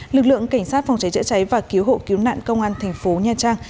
lực lượng cảnh sát phòng cháy chữa cháy và cứu hộ cứu nạn công an thành phố nha trang